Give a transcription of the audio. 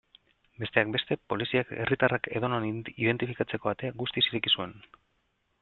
Besteak beste, poliziak herritarrak edonon identifikatzeko atea guztiz ireki zuen.